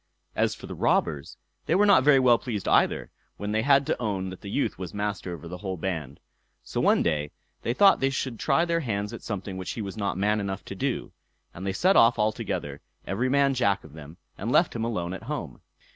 As for the robbers, they were not very well pleased either, when they had to own that the youth was master over the whole band. So one day they thought they would try their hands at something which he was not man enough to do; and they set off all together, every man Jack of them, and left him alone at home.